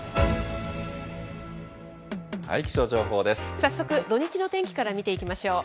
早速、土日の天気から見ていきましょう。